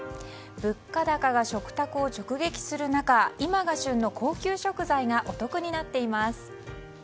物価高が食卓を直撃する中、今が旬の高級食材がお得になっています。